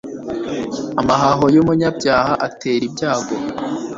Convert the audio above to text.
amahaho y'umunyabyaha atera ibyago